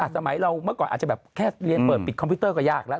สมัยเราเมื่อก่อนอาจจะแบบแค่เรียนเปิดปิดคอมพิวเตอร์ก็ยากแล้ว